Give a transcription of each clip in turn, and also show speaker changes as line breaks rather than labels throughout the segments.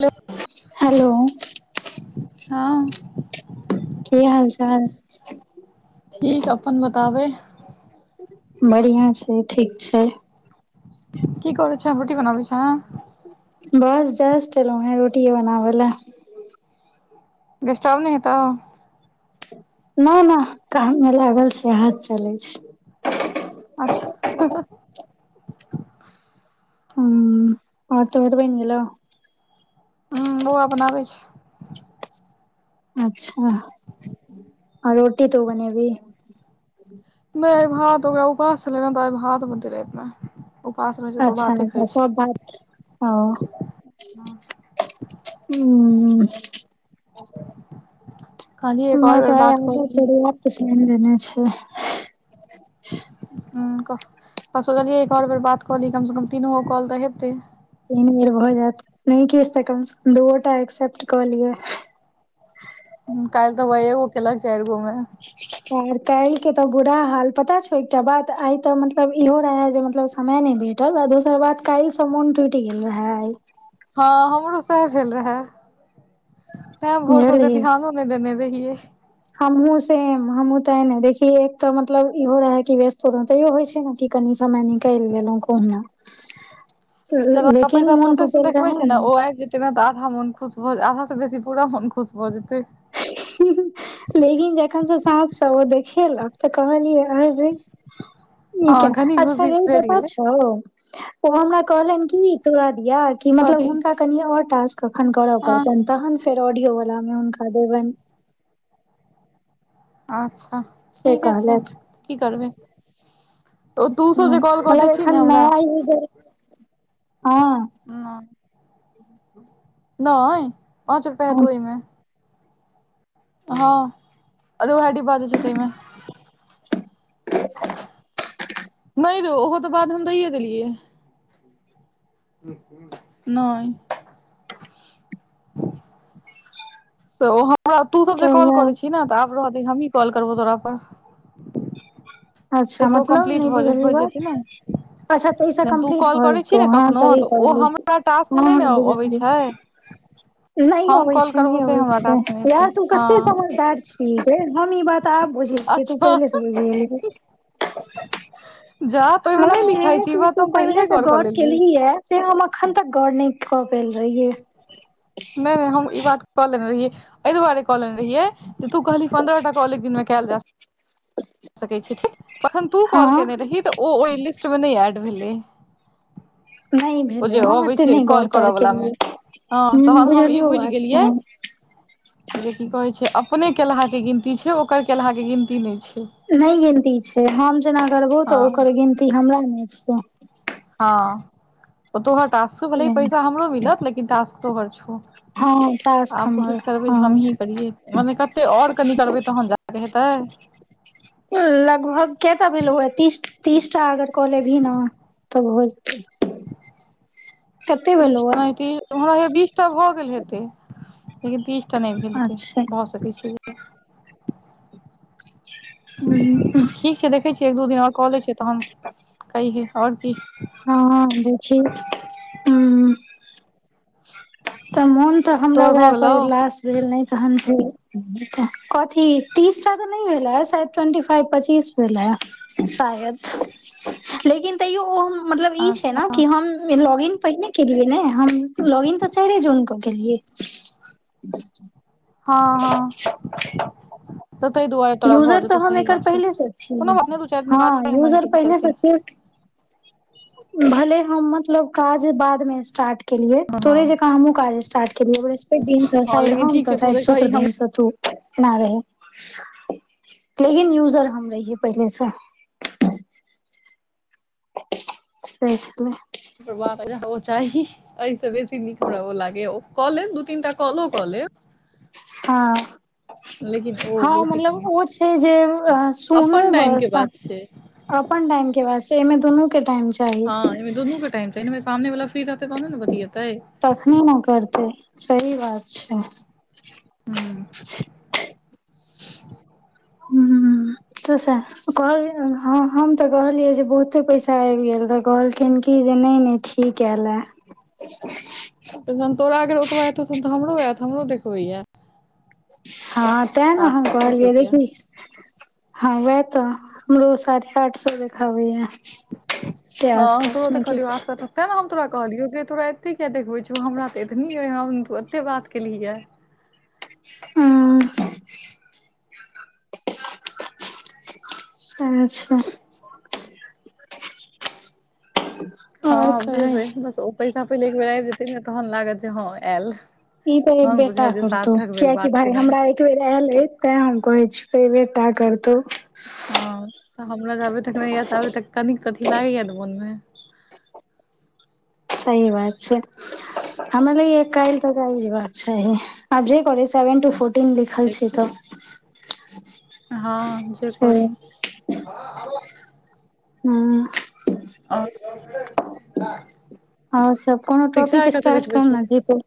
Hello
hello.
हँ।
की हाल चाल छे।
ठीक अपन बताबै।
बढ़िआँ छै ठीक छै।
कि कर छै रोटी बनाबी छ।
बस जस चलू हैं रोटिय बनाबै लए।
डीस्टब नहि हेतऽ।
न न काम मे लागल सह चलै छै।
अच्छा ह ह।
ह आओर तऽ बने गेलेलो।
ह बौआ बनाबै छै।
अच्छा आओ रोटी तु बनेबी।
बस भात ओकरा उपास छलेना तऽ अभ भात बनती रहेतमे।
अच्छा सब बा। हँ ह।
कहलियै एक
हम
आओर बेर
तऽ आ
बात कऽ
आध
ली
पके सा लने छै।
ह सोचलियै एक आओर बेर बात कहली कम से कम तीन गो कॉल तऽ हेतै।
तीन बेर भऽ जायत नहि कि तऽ कम से कम दूोटा एक्सेप्ट कऽ लिय।
कायल् तऽ वहगो केलक चआर।
आर काल्हि के तऽ बुरा हाल पता छौ एकटा बात आइ तऽ मतलब इहो रहे जे मतलब। हमे नहि भेटल आ दोसर बात काल्हि सब मोन टूटि गेल रहे आइ।
हँ हमरो सएह भेल रहे तै भोरस ओते
बुझलही
ध्यानो। नहि देने रहिये।
हमहुँ सेम हमूँ तऽ ने देखी एक तऽ मतलब इहो रह कि व्यस्तो तैयो होइ छै ने। की कनि समय निकल लेलहु कहुना। [unintelligible] लेकिन
पैसा
मोन
प्रोसेस मे
टूटल
देखबे
रहे
छै ने ओ आबि जेत। [unintelligible] तऽ आधा मन खुश भऽ आधा से बेसी पूरा मन खुश भऽ जेतै।
लेकिन जखन से साँझ से ओ देखेल आब तऽ कहलियै अरे। इ
हँ
केना
कनी
अच्छा
खुशी
गै इ
भेट
पता
गेलै
छौ। ओ हमरा कहलनि कि तोरा दिया कि
कथी
मतलब हुनिका कनि आओर टास्क। एखन करय
हँ
पड़तनि तखन फेर ऑडियो वलामे हुनका देबनि।
अच्छा
से
ठीके छै
कहलथि
की करबै। तऽ तू सब
हँ
जे काॅल कऽ दै
मतलब
छीहि
एखन
न हमरा।
नया यूजर हँ
[unintelligible] न नहि पाँच रुपआ
हँ
हेतौ ओहिमे। हँ अरे ओह डिब्बा जे छौ तहिमे।
[inaudible]
नहि रो ओहो तऽ बाद हम दैयए देलियै। नै। [inaudible] तऽ ओ हमरा तू सब जे
तऽ
कॉल
वैह
करै छी ने तऽ आब रहऽ दही हमही कॉल करबौ तोरा पर।
अच्छा
ताहिसँ ओ
मतलब
कम्प्लीट
नहि बुझलीय
भऽ जेतै ने
गप। अच्छा तैसा
तू
कम्प्लीट
कॉल
भ
करै छी
जेतौ
ने
हँ
कखनो
सही
तऽ ओ
कहली
हमरा टास्क मे
हँ
नहि ने अबै
हँ।
छै
नहि
हम
अबै
कॉल
छै
करबौ
नहि
से
अबै
हमरा
छै
टास्क मे एतै
यार तू कते
हँ
समझदार छी। हम इ बात आब बुझै छियै तू पहिले से बुझगेलहि।
जब।
मतलब जे भी चीज तू पहले से गाॅर
लेलियै
केलही या। से हम अखन तक गाॅर नै कऽ पेल रहियै।
नहि नहि हम ई बात क ले रहियै एहि दुआारे क लेने। रहियै जे तू कहली पन्द्रह टा कॉल एक दिन मे कयल जा सकै। सकै छै ठीक तखन तू कॉल
हँ
केने रही तऽ ओहि लिस्ट मे नहि एड भेलै।
नहि
ओ
भेलै
जे
हम
अबै
एते
छै
नहि गौर
काॅल कऽर
तौर
बलामे
केलियै
हँ।
ह
तहन हम ई
बुझलियौ
बुझि
बात
गेलियै।
ह
जे की कहे छै अपने केलहा के गिनती छै ओकर केलहा के गिनती नहि छै।
नहि गिनती छै हम जेना गबो तऽ
हँ
ओकर गिनती हमरा नहि छिय।
हँ ओ तोहर टास्क
से
छौ पैसा हमरो मिलत लेकिन टास्क तोरर छौ।
हँ टास्क
आब
हमर
कोशिश करबै
हँ
हमही करियए मने कत्ते और कनि करबै तहन जा। हेतै।
लगभग केऽ टा भेलौए तीस-तीस टा अगर कऽ लेबही न। तब भऽ जेतौ।
तीस तऽ हमरा हौयया बीसटा भऽ गेल हेतै। लेकिन तीस टा नहि भेल हेतै
अच्छा
भ सकै छै।
हूँ।
ठीक छै देखैय छियै, एक-दू दिन और कऽ लै छीयै तहन।
[unintelligible]
कैहीयै आओर की।
हँऽ देखही हूँ। तऽ मोन तऽ हमरा
तोहर भऽ
वैह पर
गेलौ
उल्लास भेल ने। तहन फेर कथी, तीस टा के नहि भेलए ट्वेंटी फाइव पच्चीस भेलैए। शायद, लेकिन तैयो ओ हम। मतलब ई छै
अच्छा
ने कि हम लॉगिन पहिने केलियै ने हम लॉगिन तऽ। चाइरे जून कऽ केलियए।
हँ हँ तऽ तहि दुआरे। तोरा भऽ
यूजर
जेतौ
तऽ हम
सही
एकर
बात छै
पहिले से
कोनो
छीयै,
बात नहि दू चारि दिन
हँ
बादे हमर
यूजर
हेतै तऽ
पहिले से
चलतै
छीयै। भले हम मतलब काज बाद में स्टार्ट। केलियै,
हँ
तोरे जका हमहू काज स्टार्ट केलियै ब्रहस्पति दिन से
हँ
शायद
लेकिन
हम
ठीक
त
छै तू
शायद
जे
शुक्र
कही हम
दिन से तू। ना रहै, तऽ इ यूजर हम रहियै पहिलेसँ। [unintelligible]
ओ चाही। एहिसँ बेसी नीक हमरा ओ लागैय, ओ कऽ लेब दू-तीनटा कॉलो कऽ लेब।
हँ।
लेकिन ओ
हँ
बेसी कनी
मतलब ओ छै जे सुनू
अपन टाइम के बात
ब।
छै
अपन टाइम के बात छै, एहिमें दुनू के टाइम चाही।
तइने सामने वला फ्री रहै तहने ने बतियेतै।
तखनी न करतै सही बात छै।
हूँ [inaudible]
तसा। कहलियै हँ हम तऽ कहलियै जे बहुते पैसा आबि गेल तऽ कहलखिन कि जे नहि-नहि ठी। क ऐल हे।
तखन तोरा अगर ओतबा एतौ तखन तऽ हमरो आयत हमरो देखबइयै।
हँ तै न
सात
हम
सए एकसठि
कहलियै
रुपया
देखी। हँ वएह तऽ हमरो साढ़े आठ सौ देखाबैये।
हाँ तोरो देखालियो
किछ
आठ सए त। तेँ ने हम तोरा कहलियौ जे तोरा एते किया देखबै छौ, हमरा तऽ एतनी अइ हम त एते बात केली हऽ।
हम्म। अच्छा।
[inaudible]
और
हँ, जे
कहै
होय बस ओ पैसा पहिले एकबेर आबि जेतै ने तहन लागत जे हँ आयल।
ई तऽ
हम
एबेटा
बुझाय जे
करतौ
सार्थक भेल
कियाकि
बात
भाय
केनाइ
हमरा। एक बेर ऐयल अइ, तें हम कहै छीयौ ऐबेे टा करतौ।
हँ। तऽ हमरा जाबे तक नहि ऐत ताबे तक। कनिक कथी लागैया तऽ मोन में।
सही बात छै। हमरा लगइये काइल तक आइब जेबाक चाही आ जे करै सेवेन टू फोर्थ। किन लिखल छी
देखि
तऽ।
हँ जे करै।
[inaudible] हूं।
[unintelligible]
आओर सब कोनो
शिक्षा
टॉपिक
आइ कते
स्टार्ट
देखबै
कर
छौ
न गे तु।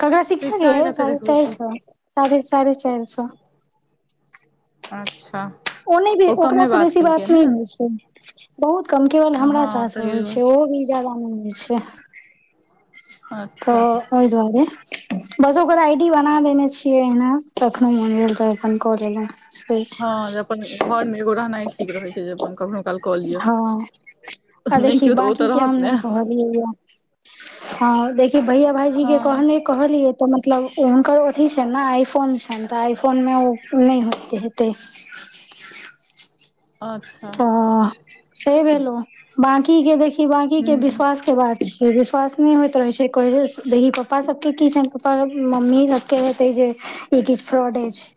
कगरा शिक्षा गे
आइ कते
साढ़े
देखबै
चारि
छौ
सऽ साढ़े साढ़े चारि सऽ।
अच्छा।
ओ नहि गे
कमे
ओकरासँ बेसी
केलकै
बात
ने
नहि होइ छै। बहुत कम केवल हमरा टा
हँ
सऽ
तऽ
होइ छै ओ भी। ज्यदा नइ होइ छै, तऽ
अच्छा
ओहि दुआरे। बस ओकर आई डी बना देने छियै ओहिना, कखनो मन भेल तऽ अपन कऽ लेलौं।
हँ
[unintelligible]
जे अपन घर में एगो रहनाइ ठीक रहे छै, जे अपन कखनो- काल कऽ लियअ।
हँ आ
नहि
देखी
कियो तऽ ओ
बाकी
तऽ
के हम
रहत
नहि
ने।
हँ कहलियै देखि भैया-भइजी के
हँ
कहने। कहलियै तऽ मतलब हुनकर अथी छनि ने आइ फोन छनि तऽ आइ फोन में ओ नहि होत, हेतै।
[inaudible] अच्छा
ओ सही भेलो बाँकी के देख। बाँकी के
हूँ
विश्वास के बात छै। विश्वास नहि होइत रहै छै, पप्पा सभके की छनि पप्पा- मम्मी सभके हेतै जे। ई किछ फ्रॉड अछि,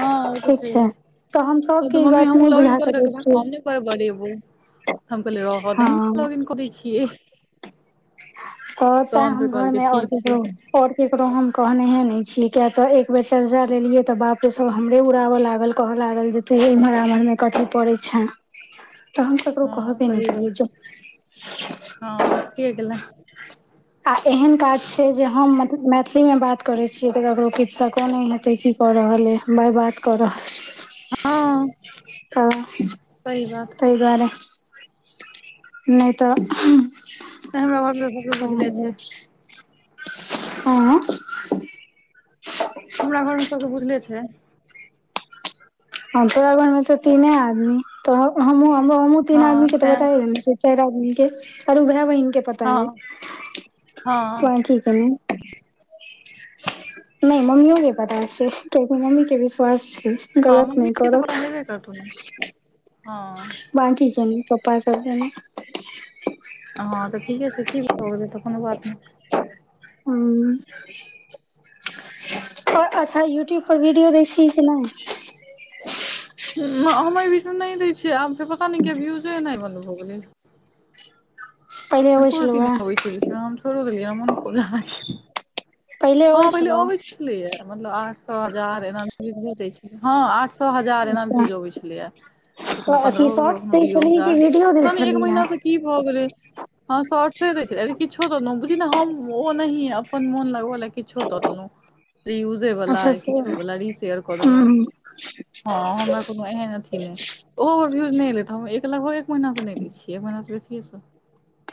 हँ ओ तऽ
छै
छैहे
तऽ हम सबके ई बात। नहि बुझा सकै छियै।
बरबरेबो, हम कहलिए रहा दिहिन
हँ
ब्लोगिंग करै छिये।
आओर तै हम घर
कहलकै
में आओर
ठीक छै
ककरो। आओर केकरो हम कहनेहे नहि छियै, किया तऽ एक बेर चर्चा लेलियै तऽ बाप रे सभ हमरे उड़ाबऽ लागल। कहऽ लागल जे तुहे इम्हर-आम्हर में कथि पड़ै छै।
[inaudible]
तऽ हम ककरो
हँ
कहबे नहि
सही
केलिए
बात
जो।
हँ ठिके केलें।
आ एहन काज छै, जे हम मैथिली में बात करै छियै तऽ ककरो किछ सको नहि हेतै कि। कऽ रहले अइ, भाइ बात कऽ रहल छी।
हँ।
हं
सही बात
ताहि दुआरे। नहि तऽ
नहि हमरा घरमे तऽ सबके बुझले छै
[unintelligible] हाँ।
हमरा घर में सबके बुझले छै।
हँ, तोरा घर में तऽ तीने आदमी, तऽ हमहूँ तीन
हँ
आदमी के तऽ
तैं
बताये देने छिये। चाइर आदमी के, चारु भाइ-बहिन के पता
हँ
अय।
हँ
नहि मम्मीओ के पता छै, कियाकि मम्मी के विश्वास छै। गलत नहि करत।
[unintelligible] हां।
बाकी के नै, पप्पा सब के नै।
हां तऽ ठीके छै कि भऽ गेले त कुनू बात नै।
हुं। और अच्छा यूट्यूब पर वीडियो दे छी की नै।
उम्म म हम ए बीच मे नै दै छियै आब ते पता नै कियाए व्यूजे ऐनाय बन्द भऽ गेले।
पहिले अबै
एको
छलौ
रति नै
हे
आबै छै बीच मे हम छोड़ो देलियै [unintelligible] हां पहिले अबै छलैया मतलब आठ सौ हजार एना कऽ के व्यूज जाय छलै हां आठ सौ हजार एना
अच्छा
भ्यूज आबै छलैया। कखनो
तऽ अथी
पन्द्रहो सौ,
शॉर्ट्स
कखनो
दै
दुइओ
छलही कि
हजार
वीडियो दै
पता नै एक
छलही हे
महीना से की भऽ गेलै। हां शॉर्ट्से दै छै अरे किछो देलो बूझि न हम ओनैहिये अपन मोन लगबा लेल किछो दऽ देलो रियूज दे बला
अच्छा
या
से
किछो
हूं
बला, रीशेयर कऽ देलो,
हूं
हां हमरा कु कुनु एहन अथी नै ओहो भ्यूज नै एले त हम लगभग एक महीना से नै दै छियै, एक महीना से बेसिये से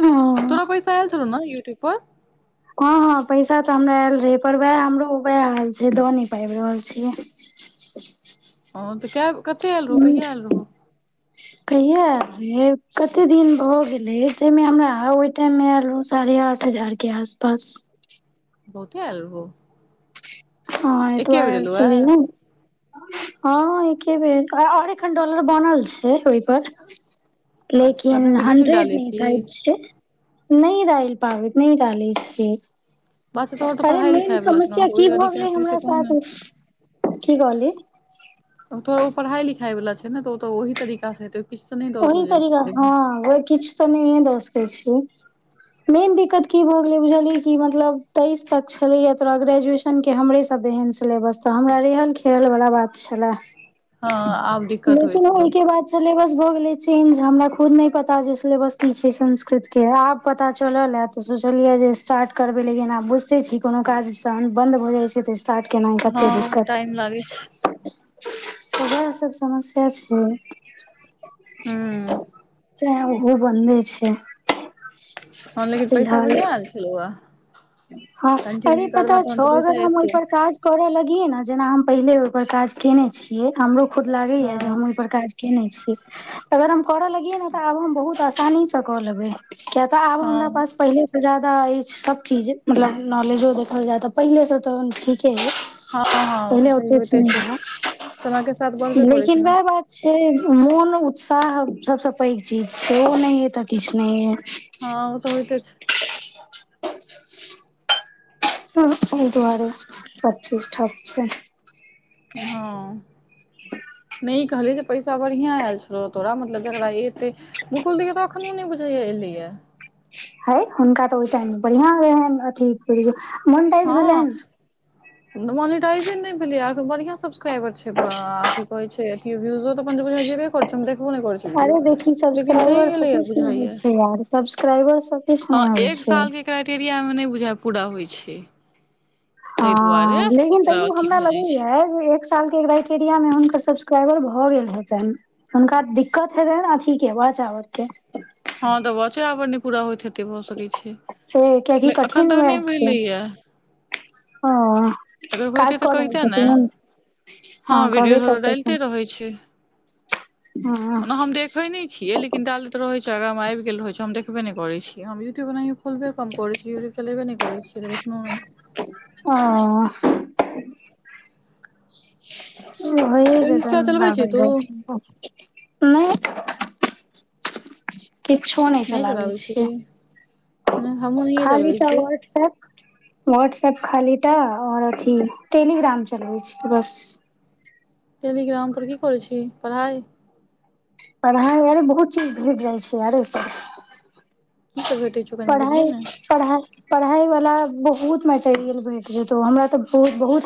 ओ
तोरा पैसा आएल छलौ ने यूट्यूब पर।
हां-हां पैसा तऽ हमरा आएल रहै, पर वाएह हमरो वाएह हाल छै द नै पाएब रहल छियै।
हां तऽ काए कते आएल रहो, कहिया आएल रहो।
कहिया आएल रहै कते दिन भऽ गेलै तै मे हमरा ओय टाइम मे आएल रहौ साढ़े आठ हजार के आसपास।
बहुते आएल रहौ।
हाँ एतबा
एके बेर
आएल
एलहुँ ए
छलै नै। हां एकेबेेर आ आर एखन डॉलर बनल छै ओय पर।
अच्छा
लेकिन
एखन वीडियो नहि
हंड्रेड
डालै
नै
छी
सायद छै। नै डाएल पाबै, नै डालै छिये।
बात छै तोहर तऽ
अरे
पढ़ाइ
मेन
लिखाइ वला छलौ
समस्या
तऽ
की
ओहि
भऽ गेलै
तरीकासँ हेतै
हमरा
तहन
साथ,
ने
की कहली।
औ तोहर ओ पढ़ाय-लिखाय वला छै ने तऽ ओ ते ओहि तरीका से हेतै। किछु तऽ नहि दऽ
ओहि तरीका
देलकै
हां और किछ त नहिये द सकै छी। मेन दिक्कत की भ गेलै बुझली कि मतलब तेइस तक छलैया तोरा ग्रेजुएश न के हमरे सब जेहन सिलेबस त हमरा रेहल-खेहल बला बात छला।
हां आब दिक्कत होएत हेतौ।
बाद सिलेबस भ गेल लै चेंज हमरा खुद नै पता छै सिलेबस की छै संस्कृत के, आब पता चलल ऐ। त सोचलियै जे स्टार्ट करबै, लेकिन आब बुझते छी कोनो काज जहन बन्द भ जाय छै ते स्टार्ट केना मे
हँ
कते दिक्कत
टाइम लागै छै
उहाए सब समस्या छै।
हूँ
तै उहो बन्दे छै।
हां लेकिन पैसा बढ़ियां आएल छलु अए।
हां अरे पता छौ अगर हम ओय
एतौ
पर काज करा लगियै नै जेना हम पहिले ओय पर काज केने छियै, हमरो खुद
हँ
लागैया जे हम ओय पर काज केने छी, अगर हम करा लगियै नै त आब हम बहुत आसानी स क लेबै। कियाए ते आब हमरा
हँ
पास पहिले से जादा एछ सब चीज मतलब नॉलेजो देखल जाय त पहिले से तहन ठीके ऐ।
हँ हँ ओ तऽ
पहिले
सही
ओते चीज
होइते
नै
छै
रेहाए
समय के साथ बढ़बे करै छै
लेकिन
ने
वाएह बात छै, मोन उत्साह सबसे पैग चीज छै, ओनैये ते किछ नै या।
हँ ओ त होइते छै।
हँ अहि दुआरे सब चीज ठप छै।
हँ नै कह। जे पैसा बढ़ियां आयल छलौ तोरा मतलब गरबा एते। मुकुल दी के त एखनो नै बुझैए एलैए।
है हुनका त ओहि टाइम बढ़ियां रहनि अथी पिरिओ मोन्टाइज भेलैन।
मोनीटाइजे नै भेलैया आ त बढ़ियां सब्क्राइबर छै ब अ की कहै छै। विडिओ त अपन देबे अरय छथी बुझाइया हम देखबे नै करै छी।
अरे देखी सब्सक्राइबर सं किछ नै होइ
बुझाइये
छै आर सब्सक्राइबर सब। किछु
हँ
नहि होइ
एक
छै
साल के क्राइटेरियामे नै बुझाइया पूरा होइ छै। तै दुआरे
हँ लेकिन
ओकरा
तैयो
ओथी
हमरा
भ जाइत छै।
लगैया एक साल के क्राइटेरिया मे हुनका सब्स्क्राइबर भ गेल हेतनि। हुनका दिक्कत हेतनि अथी के वाच आवर के।
ह त वाचे आबर नै पूरा होइत हेतै भ सकै छै
से कियाकि
एखन तक नै भेलैया।
हंअं।
अगर होइतै त कहिते ने हं
हँ
वीडियो
कहबे
सभ त डालिते
करतथिन
रहै छै।
हँ
ओना हम देखै नै छियै लेकि। डालैत रहै छै आगाँमे आबि गेल रहै छै हम देखबे नै करै छिअइ हम यूट्यूब ओनाही खोलबे कम करैत छी यूट्यूब चलेबे नै करै छी। से त देखलौएं।
ओअ। ओ भैए
इंस्टा
जेतनि
चलबै छी
लागल
तू
रहथिन त। नै किछो नै
नहि
चलाबै
छी
छियै।
हमहुँ नहिये चलबै
खालीटा
छियै
वॉट्सऐप। वाट्सएप खाली टा आओर अथी टेलीग्राम चलबै छी बस।
टेलीग्राम पर की करै छी पढ़ाइ।
पढ़ाइ आरे बहुत चीज भेट जाइ छै आरे।
की सब भेटै छौ कनि
पढ़ाइ।
बुझियौ ने
पढ़ाइ पढ़ाई वला बहुत मेट भेट जेतौ हमरा त ब बहुत।